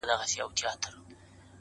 پرمختګ د جرئت او هڅې ملګرتیا ده!